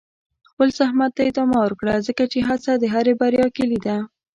خپل زحمت ته ادامه ورکړه، ځکه چې هڅه د هرې بریا کلي ده.